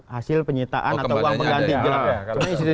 hasil penyitaan atau uang pengganti